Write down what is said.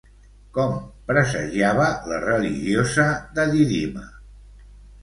Com presagiava la religiosa de Dídima?